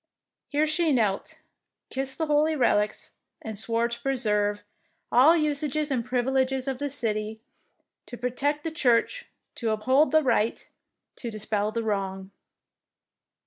Here she knelt, kissed the holy relics, and swore to preserve all usages and privileges of the city, to protect the church, to uphold the right, to dispel the wrong."